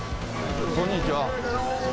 こんにちは。